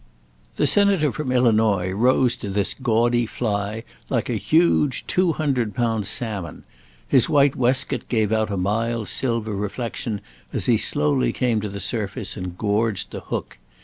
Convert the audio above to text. The Senator from Illinois rose to this gaudy fly like a huge, two hundred pound salmon; his white waistcoat gave out a mild silver reflection as he slowly came to the surface and gorged the hook.